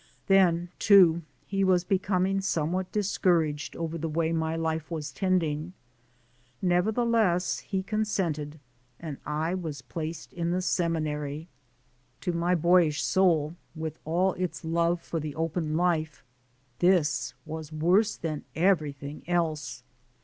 Then too, he was becoming somewhat discouraged over the way my life was tending. Nevertheless, he consented, and I was placed in the Seminary. To my boyish soul, with all its love for the open life, this was worse than everything else.